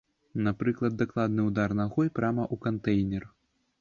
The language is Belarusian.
Напрыклад, дакладны ўдар нагой прама ў кантэйнер.